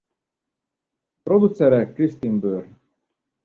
A producere Kristin Burr.